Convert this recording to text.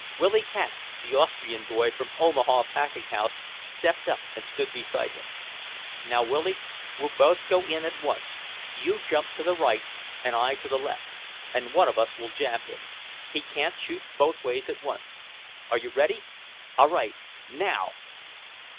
Willy Katz, the Austrian boy from the Omaha packing house, stepped up and stood beside him. "Now, Willy, we'll both go in at once; you jump to the right, and I to the left, and one of us will jab him. He can't shoot both ways at once. Are you ready? All right Now!"